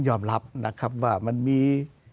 ยอมรับนะครับว่ามันมี